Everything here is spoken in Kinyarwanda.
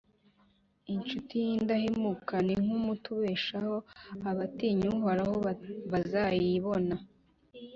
Incuti y’indahemuka ni nk’umuti ubeshaho, abatinya Uhoraho bazayibona